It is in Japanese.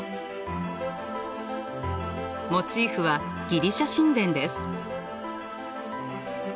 モチーフはギリシャ神殿です。